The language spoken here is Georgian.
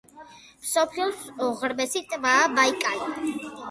მსოფლიოს უღრმესი ტბაა ბაიკალი.